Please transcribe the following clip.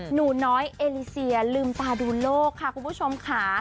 หนูน้อยเอลิเซียลืมตาดูโลกค่ะคุณผู้ชมค่ะ